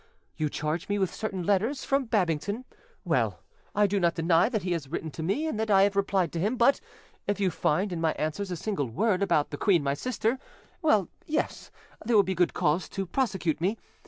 You charge me with certain letters from Babington: well, I do not deny that he has written to me and that I have replied to him; but if you find in my answers a single word about the queen my sister, well, yes, there will be good cause to prosecute me.